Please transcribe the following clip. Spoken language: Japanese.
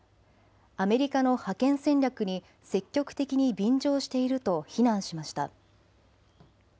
アメリカの覇権戦略に積極的に便乗していると非難しました。